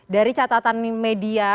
dari catatan media